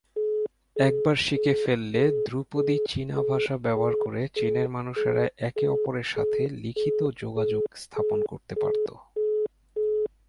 একবার শিখে ফেললে ধ্রুপদী চীনা ভাষা ব্যবহার করে চীনের মানুষেরা একে অপরের সাথে লিখিত যোগাযোগ স্থাপন করতে পারত।